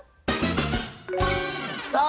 さあ